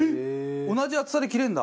同じ厚さで切れるんだ。